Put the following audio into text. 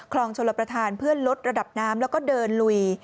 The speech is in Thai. ชลประธานเพื่อลดระดับน้ำแล้วก็เดินลุย